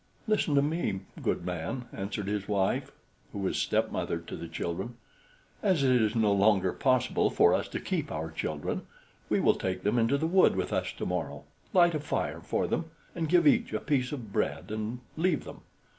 "Listen to me, good man," answered his wife, who was stepmother to the children. "As it is no longer possible for us to keep our children, we will take them into the wood with us tomorrow, light a fire for them, and give each a piece of bread and leave them.